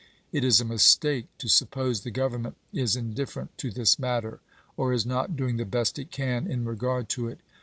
It is a mistake to suppose the Governmeut is indif ferent to this matter, or is not doing the best it can in regard to it.